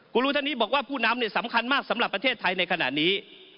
กูรูท่านนี้บอกว่าผู้นำสำคัญมากสำหรับประเทศไทยในขณะนี้